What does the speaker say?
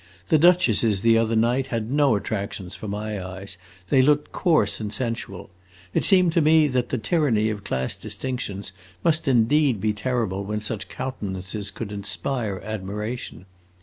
The duchesses the other night had no attractions for my eyes; they looked coarse and sensual! It seemed to me that the tyranny of class distinctions must indeed be terrible when such countenances could inspire admiration.